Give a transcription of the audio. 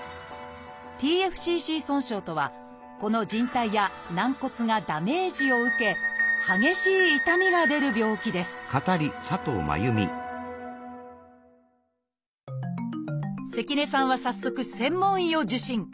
「ＴＦＣＣ損傷」とはこの靭帯や軟骨がダメージを受け激しい痛みが出る病気です関根さんは早速専門医を受診。